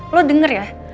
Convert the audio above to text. lo denger ya